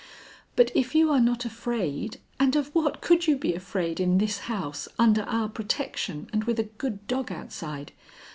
But if you are not afraid and of what could you be afraid in this house, under our protection, and with a good dog outside?